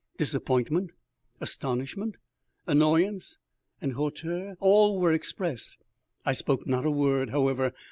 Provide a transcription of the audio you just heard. Disappointment, astonishment, annoyance, and hauteur, all were expressed. I spoke not a word, however.